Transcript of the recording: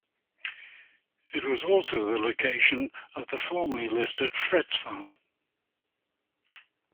It was also the location of the formerly listed Fretz Farm.